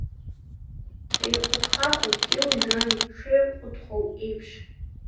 Еиҟәыҭхахоит дгьыли-жәҩани шеиҟәыҭхоу еиԥш.